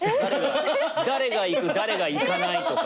誰が行く誰が行かないとか。